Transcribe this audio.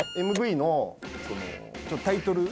ＭＶのタイトル。